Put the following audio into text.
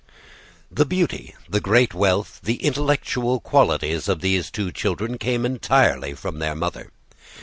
The beauty, the great wealth, the intellectual qualities, of these two children came entirely from their mother.